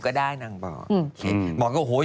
๒๐ก็ได้นางบอก